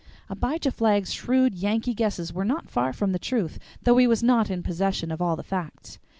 Abijah Flagg's shrewd Yankee guesses were not far from the truth, though he was not in possession of all the facts.